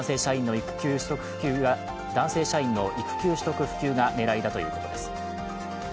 男性社員の育休取得普及が狙いだということです。